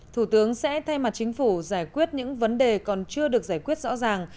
thủ tướng sẽ thay mặt chính phủ giải quyết những vấn đề còn chưa được giải quyết rõ ràng